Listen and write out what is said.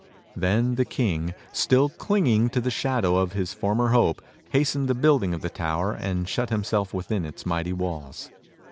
Then the King, still clinging to the shadow of his former hope, hastened the building of his tower, and shut himself within its mighty walls.